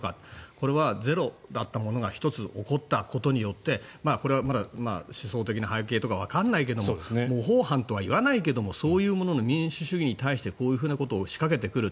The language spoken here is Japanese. これはゼロだったものが１つ起こったことによってこれはまだ思想的な背景とかわからないけど模倣犯とは言わないけど民主主義に対してこういうふうなことを仕掛けてくる。